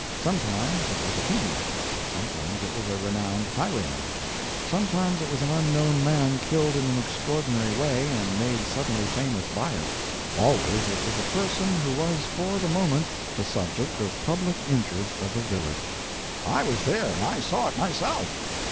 Sometimes it was a king; sometimes it was a renowned highwayman; sometimes it was an unknown man killed in an extraordinary way and made suddenly famous by it; always it was a person who was for the moment the subject of public interest of a village. "I was there, and I saw it myself."